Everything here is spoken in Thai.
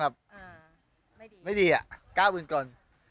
ไม่ดีอะก้าวปืนกล